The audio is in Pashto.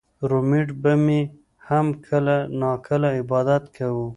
رومېټ به مې هم کله نا کله عبادت کوو